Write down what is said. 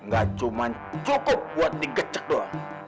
ga cuman cukup buat di gecek doang